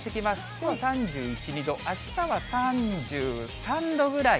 きょうは３１、２度、あしたは３３度ぐらい。